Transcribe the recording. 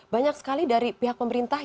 banyak sekali dari pihak pemerintah